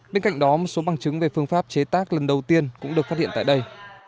bên cạnh đó một số bằng chứng về phương pháp chế tác lần đầu tiên cũng được phát hiện tại đây